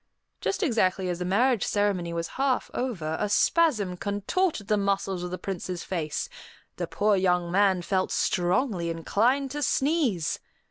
Just exactly as the marriage ceremony was half over, a spasm contorted the muscles of the Prince's face; the poor young man felt strongly inclined to sneeze.